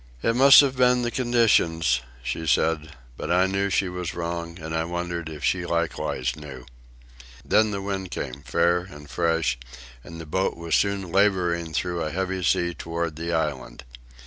"It must have been the conditions," she said; but I knew she was wrong, and I wondered if she likewise knew. Then the wind came, fair and fresh, and the boat was soon labouring through a heavy sea toward the island.